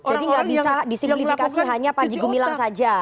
jadi nggak bisa disimplifikasi hanya pak jiko bilang saja